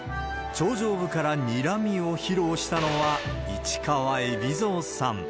頂上部からにらみを披露したのは、市川海老蔵さん。